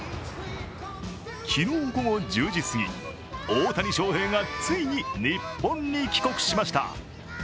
昨日午後１０時すぎ、大谷翔平がついに日本に帰国しました。